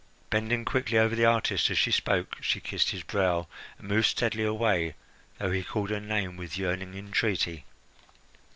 Bending quickly over the artist as she spoke, she kissed his brow and moved steadily away, though he called her name with yearning entreaty.